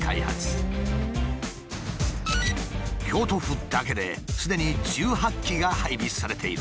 京都府だけですでに１８機が配備されている。